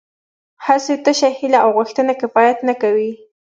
هسې تشه هیله او غوښتنه کفایت نه کوي